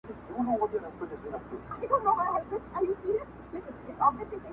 ماشومان يې بلاګاني په خوب ويني؛